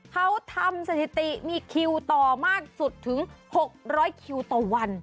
เขาทำสถิติมีคิวต่อมากสุดถึง๖๐๐คิวต่อวัน